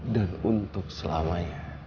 dan untuk selamanya